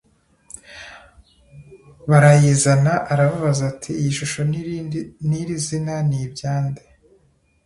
barayizana arababaza ati iyi shusho n iri zina ni byande